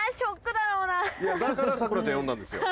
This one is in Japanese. だから咲楽ちゃん呼んだんですよ。